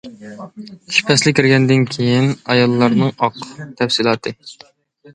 قىش پەسلى كىرگەندىن كېيىن، ئاياللارنىڭ ئاق. تەپسىلاتى.